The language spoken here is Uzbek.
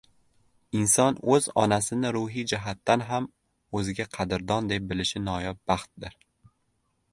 Inson o‘z onasini ruhiy jihatdan ham o‘ziga qadrdon deb bilishi noyob baxtdir.